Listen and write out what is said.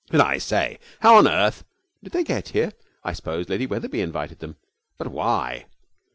'But, I say, how on earth '' did they get here? I suppose Lady Wetherby invited them.' 'But why?'